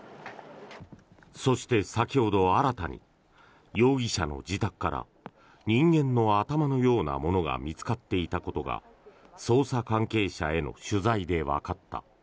そして、先ほど新たに容疑者の自宅から人間の頭のようなものが見つかっていたことが捜査関係者への取材でわかった。